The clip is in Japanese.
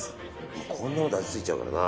こんなもんで味がついちゃうからな。